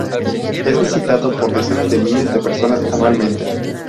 Es visitado por decenas de miles de personas anualmente.